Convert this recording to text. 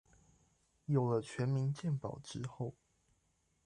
有了全民健保之後